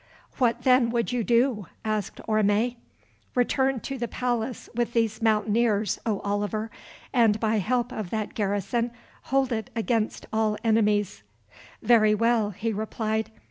"What, then, would you do?" asked Orme. "Return to the palace with these Mountaineers, O Oliver, and by help of that garrison, hold it against all enemies." "Very well," he replied.